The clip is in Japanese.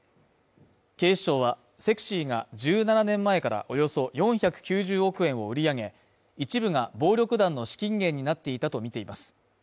警視庁はＳＥＸＹが１７年前からおよそ４９０億円を売り上げ、一部が暴力団の資金源になっていたとみています。